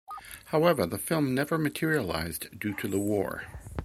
However the film never materialised due to the war.